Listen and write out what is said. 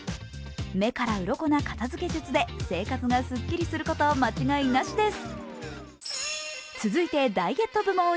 目からうろこの片づけ術で生活がスッキリすること間違いなしです。